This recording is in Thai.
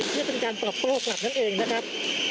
เพื่อเป็นการตอบโต้กลับนั่นเองนะครับ